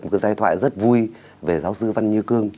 một cái giai thoại rất vui về giáo sư văn như cương